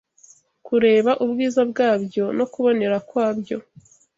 kureba ubwiza bwabyo no kubonera kwabyo